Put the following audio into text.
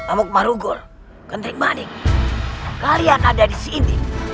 amuk marugor gentrik manik kalian ada di sini